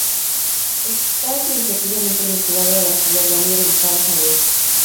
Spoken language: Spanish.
Está administrativamente vinculado a las islas Gambier, ubicadas a al este.